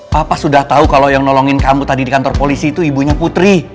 papa sudah tahu kalau yang nolongin kamu tadi di kantor polisi itu ibunya putri